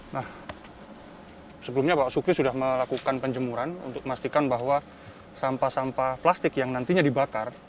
nah sebelumnya pak sukri sudah melakukan penjemuran untuk memastikan bahwa sampah sampah plastik yang nantinya dibakar